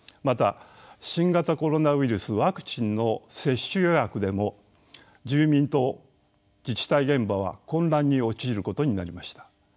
また新型コロナウイルスワクチンの接種予約でも住民と自治体現場は混乱に陥ることになりました。